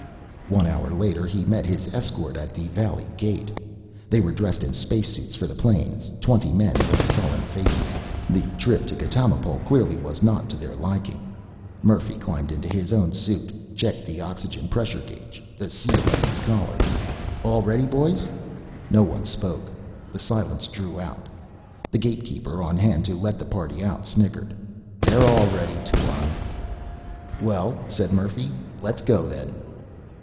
One hour later he met his escort at the valley gate. They were dressed in space suits for the plains, twenty men with sullen faces. The trip to Ghatamipol clearly was not to their liking. Murphy climbed into his own suit, checked the oxygen pressure gauge, the seal at his collar. "All ready, boys?" No one spoke. The silence drew out. The gatekeeper, on hand to let the party out, snickered. "They're all ready, Tuan." "Well," said Murphy, "let's go then."